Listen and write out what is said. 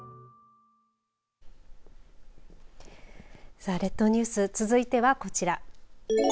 さあ列島ニュース続いてはこちら。